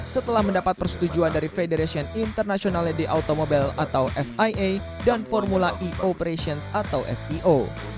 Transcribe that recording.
setelah mendapat persetujuan dari federation international day automobile atau fia dan formula e operations atau fio